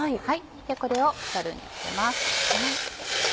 これをザルにあけます。